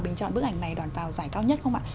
bình chọn bức ảnh này đoàn vào giải cao nhất không ạ